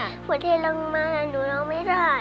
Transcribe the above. หัวเทศร้องมันมาหนูร้องไม่ได้